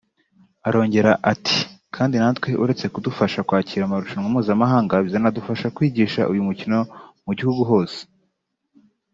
Arongera ati “kandi natwe uretse kudufasha kwakira amarushanwa mpuzamahanga bizanadufasha kwigisha uyu mukino mu gihugu hose